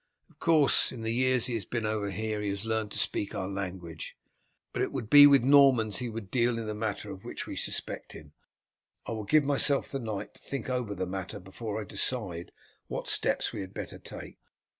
Of course, in the years that he has been over here he has learnt to speak our language, but it would be with Normans he would deal in the matter of which we suspect him. I will give myself the night to think over the matter before I decide what steps we had better take.